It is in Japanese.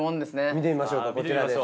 見てみましょうかこちらです。